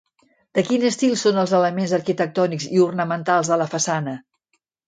De quin estil són els elements arquitectònics i ornamentals de la façana?